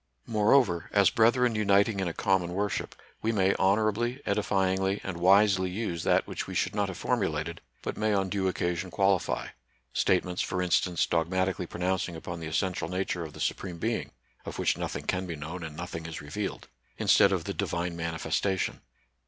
Moreover, as brethren uniting in a common worship, we may honorably, edifyingly, and wisely use that which we should not have for mulated, but may on due occasion qualify, — statements, for instance, dogmatically pronounc ing upon the essential nature of the Supreme Being (of which nothing can be known and nothing is revealed), instead of the Divine manifestation.